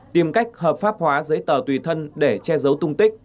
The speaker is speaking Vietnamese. tìm cách hợp pháp hóa giấy tờ tùy thân để che giấu tung tích